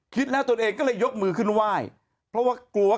คิดแล้วตัวเองก็เลยยกมือขึ้นไหว้